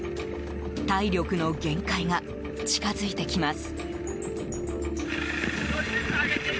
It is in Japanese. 体力の限界が近づいてきます。